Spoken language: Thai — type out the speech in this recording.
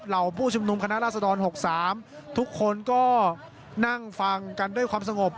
ผู้ชุมนุมคณะราษฎร๖๓ทุกคนก็นั่งฟังกันด้วยความสงบ